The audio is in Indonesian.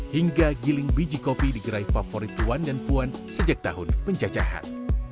hingga giling biji kopi di gerai favorit tuan dan puan sejak tahun penjajahan